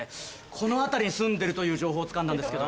この辺りに住んでるという情報をつかんだんですけど。